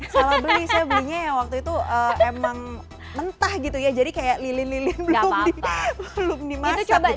salah beli saya belinya yang waktu itu emang mentah gitu ya jadi kayak lilin lilin belum dimasak gitu